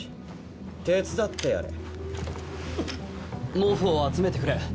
毛布を集めてくれ。